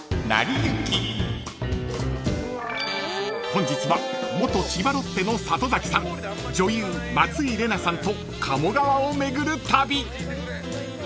［本日は元千葉ロッテの里崎さん女優松井玲奈さんと鴨川を巡る旅］